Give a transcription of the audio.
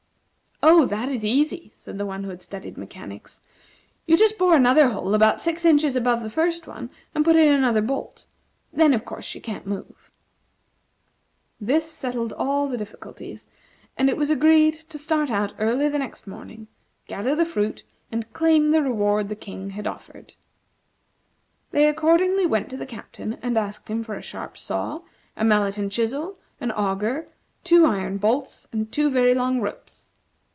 "Oh, that is easy," said the one who had studied mechanics; "you just bore another hole about six inches above the first one, and put in another bolt. Then, of course, she can't move." This settled all the difficulties, and it was agreed to start out early the next morning, gather the fruit, and claim the reward the King had offered. They accordingly went to the Captain and asked him for a sharp saw, a mallet and chisel, an auger, two iron bolts, and two very long ropes.